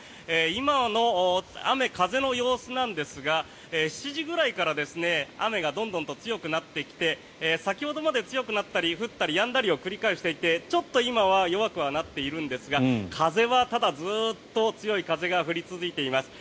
今の雨風の様子なんですが７時ぐらいから雨がどんどん強くなってきて先ほどまで、強くなったり降ったりやんだりを繰り返していてちょっと今は弱くはなっているんですが風はただ、ずっと強い風が吹き続けています。